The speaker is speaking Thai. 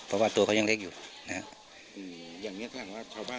เพราะว่าตัวเขายังเล็กอยู่นะฮะอืมอย่างเงี้ก็ถามว่าชาวบ้าน